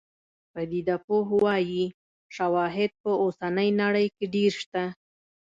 پدیده پوه وايي شواهد په اوسنۍ نړۍ کې ډېر شته.